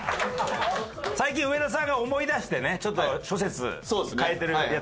最近上田さんが思い出してねちょっと諸説変えてるやつがありますから。